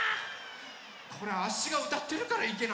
これあっしがうたってるからいけないのかな。